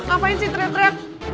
apaan sih tretret